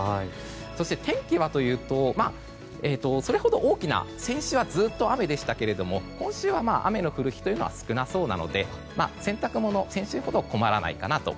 そして、天気はというとそれほど大きな先週はずっと雨でしたけど今週は雨の降る日は少なそうなので洗濯物、先週ほど困らないかなと。